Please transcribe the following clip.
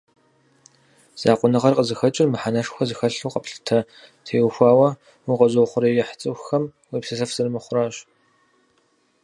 Закъуэныгъэр къызыхэкӏыр мыхьэнэшхуэ зыхэлъу къэплъытэм теухуауэ укъэзыухъуреихь цӏыхухэм уепсэлъэф зэрымыхъуращ.